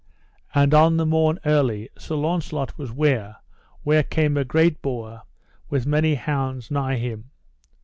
And on the morn early Sir Launcelot was ware where came a great boar with many hounds nigh him.